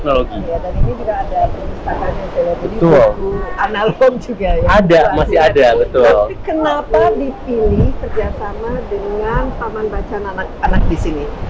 kenapa dipilih kerjasama dengan taman bacaan anak anak disini